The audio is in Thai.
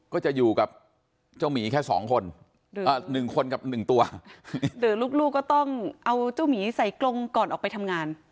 ก็จะอยู่กับเจ้าหมีแค่สองคนหนึ่งคนกับ๑ตัวหรือลูกก็ต้องเอาเจ้าหมีใส่กรงก่อนออกไปทำงาน